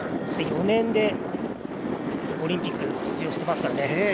そして、４年でオリンピックに出場していますからね。